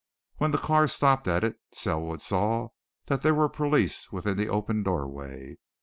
When the car stopped at it, Selwood saw that there were police within the open doorway.